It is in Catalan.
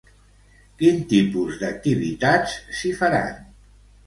Quin tipus d'activitats s'hi faran?